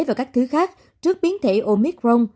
và các thứ khác trước biến thể omicron